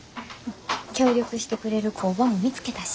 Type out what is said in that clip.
協力してくれる工場も見つけたし。